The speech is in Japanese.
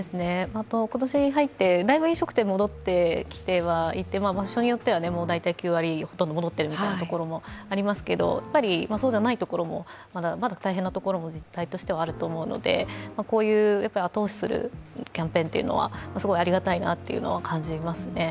今年に入ってだいぶ飲食店戻ってきてはいて場所によっては、９割、ほとんど戻ってる所もありますがやっぱりそうじゃないところもまだ大変なところも実体としてはあると思うのでこういう後押しするキャンペーンというのはありがたいなと感じますね。